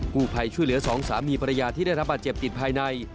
ผู้ภัยช่วยเหลือสองสามีภรรยาที่ได้รับบาดเจ็บติดภายใน